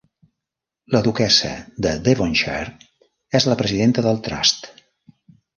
La Duquessa de Devonshire és la presidenta del Trust.